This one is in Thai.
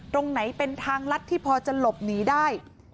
ตรงไหนเป็นทางลัดที่พอจะหลบหนีได้